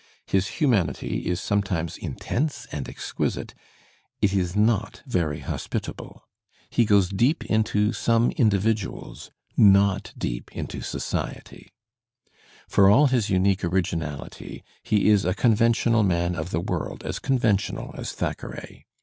His humanity is sometimes intense and exquisite; it is not very hospitable. Digitized by Google HENKY JAMES 831 He goes deep into some individuals, not deep into society. For all his unique originality, he is a conventional man of the world, as conventional as Thackeray.